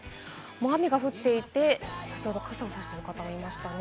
雨が降っていて先ほど傘をさしている方もいましたね。